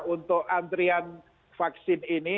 untuk antrian vaksin ini